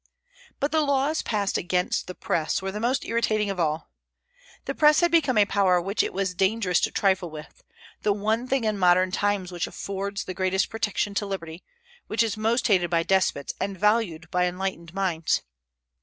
But the laws passed against the Press were the most irritating of all. The Press had become a power which it was dangerous to trifle with, the one thing in modern times which affords the greatest protection to liberty, which is most hated by despots and valued by enlightened minds.